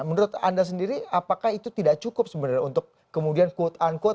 menurut anda sendiri apakah itu tidak cukup sebenarnya untuk kemudian quote unquote